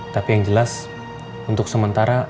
tapi yang jelas untuk sementara